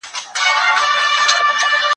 پرون هغوی د خپلو حقوقو شکایت ونکړ.